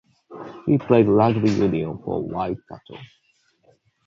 He played rugby union for Waikato.